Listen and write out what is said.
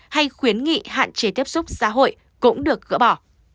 hay khuyến nghị hạn chế tiếp xúc xã hội cũng được gỡ bỏ